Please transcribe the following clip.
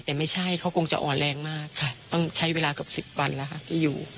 แต่ไม่ใช่เขาคงจะอ่อนแรงมากค่ะต้องใช้เวลาเกือบ๑๐วันแล้วค่ะที่อยู่